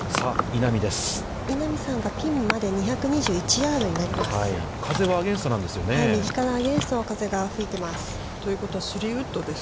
◆稲見さんがピンまで２２１ヤードになります。